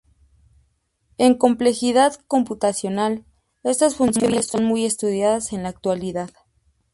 En complejidad computacional, estas funciones son muy estudiadas en la actualidad.